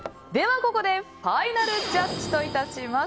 ここでファイナルジャッジといたします。